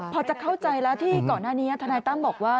พอจะเข้าใจแล้วที่ก่อนหน้านี้ธนายตั้มบอกว่า